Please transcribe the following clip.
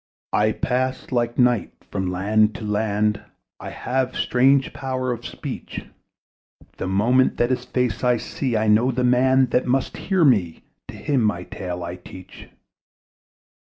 I pass, like night, from land to land; I have strange power of speech; That moment that his face I see, I know the man that must hear me: To him my tale I teach.